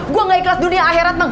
gue gak ikhlas dunia akhirat